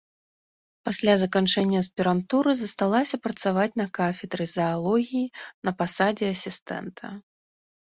Пасля заканчэння аспірантуры засталася працаваць на кафедры заалогіі на пасадзе асістэнта.